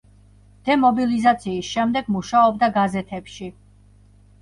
დემობილიზაციის შემდეგ მუშაობდა გაზეთებში.